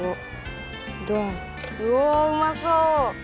うわうまそう！